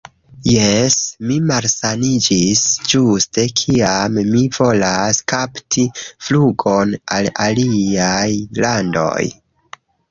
Jes, mi malsaniĝis ĝuste kiam mi volas kapti flugon al aliaj landoj